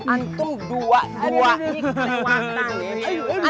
antum dua dua ini